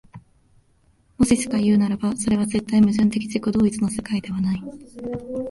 もししかいうならば、それは絶対矛盾的自己同一の世界ではない。